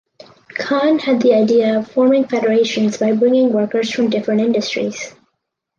Khan had the idea of forming federations by bringing workers from different industries.